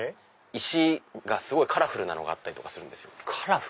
石がすごいカラフルなのがあったりするんですよ。